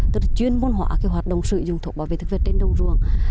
tức là chuyên môn hóa cái hoạt động sử dụng thuốc bảo vệ thực vật trên đồng ruộng